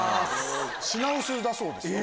品薄だそうですよ。